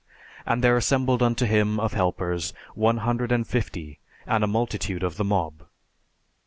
And there assembled unto him of helpers one hundred and fifty, and a multitude of the mob.